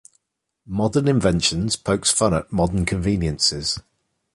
"Modern Inventions" pokes fun at modern conveniences.